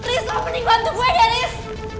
riz apa ini bantu gue ya riz